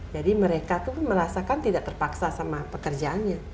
jadi mereka merasakan tidak terpaksa sama pekerjaannya